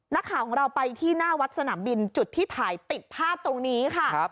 นักข่าวของเราไปที่หน้าวัดสนามบินจุดที่ถ่ายติดภาพตรงนี้ค่ะ